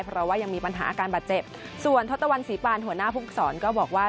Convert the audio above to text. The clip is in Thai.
เพราะว่ายังมีปัญหาอาการบาดเจ็บส่วนทศตวรรษีปานหัวหน้าผู้ฝึกศรก็บอกว่า